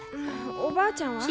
おばあちゃんは？